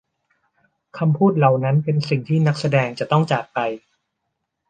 คำพูดเหล่านั้นเป็นสิ่งที่นักแสดงจะต้องจากไป